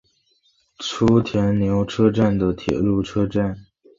初田牛车站的铁路车站。